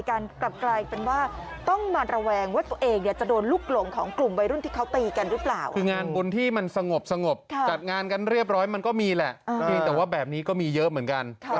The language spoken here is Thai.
กลับกลายเป็นว่าต้องมาระวัง